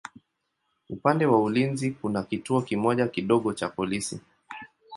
Upande wa ulinzi kuna kituo kimoja kidogo cha polisi.